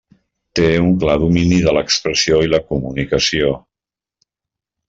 Té un clar domini de l'expressió i la comunicació.